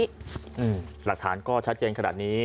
หลักฐานก็ชัดเจนขนาดนี้